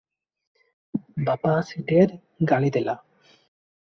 ବାପା ଆସି ଢେର ଗାଳିଦେଲା ।"